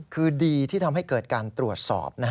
คือดีที่ทำให้เกิดการตรวจสอบ